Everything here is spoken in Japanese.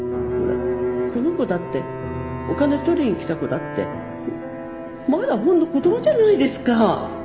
この子だってお金取りに来た子だってまだほんの子どもじゃないですか。